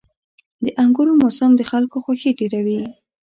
• د انګورو موسم د خلکو خوښي ډېروي.